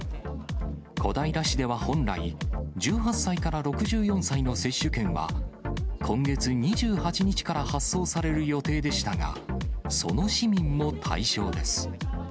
小平市では本来、１８歳から６４歳の接種券は、今月２８日から発送される予定でしたが、その市民も対象です。